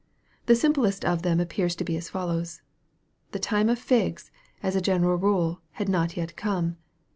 The simplest of them appears to be as follows. " The time of figs, as a general rule, had not yet come.